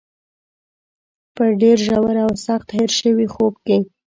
په ډېر ژور او سخت هېر شوي خوب کې.